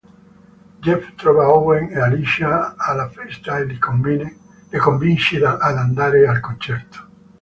Jeff trova Owen e Alicia alla festa e li convince ad andare al concerto.